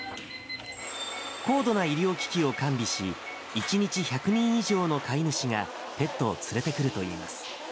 高度な医療機器を完備し、１日１００人以上の飼い主が、ペットを連れてくるといいます。